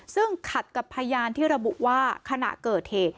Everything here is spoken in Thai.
ซึ่งขัดกับพยานที่ระบุว่าขณะเกิดเหตุ